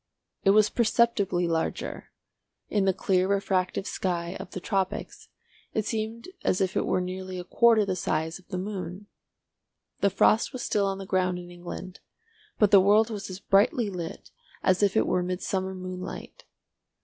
It was perceptibly larger; in the clear refractive sky of the tropics it seemed as if it were nearly a quarter the size of the moon. The frost was still on the ground in England, but the world was as brightly lit as if it were midsummer moonlight.